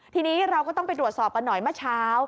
ทีนี้เราก็ต้องไปตรวจสอบกันหน่อยเมื่อเช้า